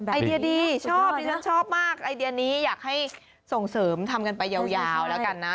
ไอเดียดีชอบดิฉันชอบมากไอเดียนี้อยากให้ส่งเสริมทำกันไปยาวแล้วกันนะ